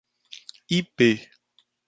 Ipê